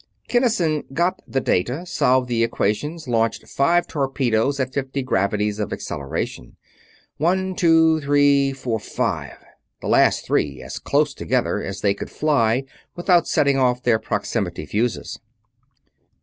Kinnison got the data, solved the equations, launched five torpedoes at fifty gravities of acceleration. One ... two three four five; the last three as close together as they could fly without setting off their proximity fuzes.